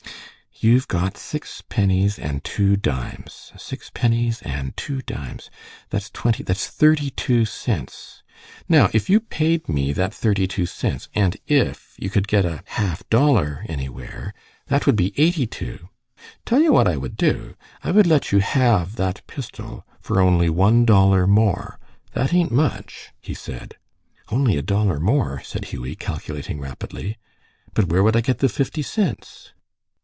"You've got six pennies and two dimes. Six pennies and two dimes. That's twenty that's thirty two cents. Now if you paid me that thirty two cents, and if you could get a half dollar anywhere, that would be eighty two. I tell you what I would do. I would let you have that pistol for only one dollar more. That ain't much," he said. "Only a dollar more," said Hughie, calculating rapidly. "But where would I get the fifty cents?"